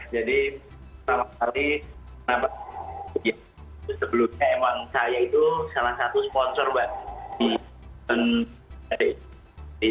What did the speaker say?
ya jadi pertama kali kenapa